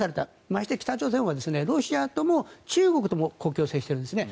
まして、北朝鮮はロシアとも中国とも国境を接してるんですね。